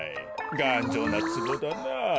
がんじょうなつぼだなあ。